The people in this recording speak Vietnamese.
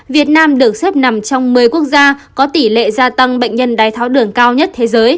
việt nam được xếp nằm trong một mươi quốc gia có tỷ lệ gia tăng bệnh nhân đai tháo đường cao nhất